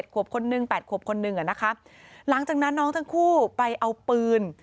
ขวบคนหนึ่ง๘ขวบคนหนึ่งอ่ะนะคะหลังจากนั้นน้องทั้งคู่ไปเอาปืน